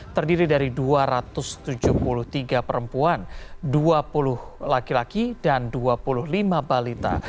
terdiri dari dua ratus tujuh puluh tiga perempuan dua puluh laki laki dan dua puluh lima balita